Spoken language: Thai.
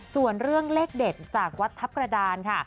ส่วนเรื่องเลขเด็ดจากวัดทัพกระดานค่ะ